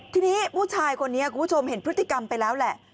ทีนี้ผู้ชายคนนี้คุณผู้ชมเห็นพฤติกรรมไปแล้วแหละ